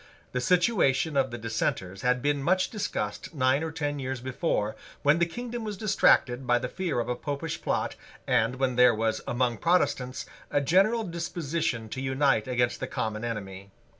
The situation of the dissenters had been much discussed nine or ten years before, when the kingdom was distracted by the fear of a Popish plot, and when there was among Protestants a general disposition to unite against the common enemy.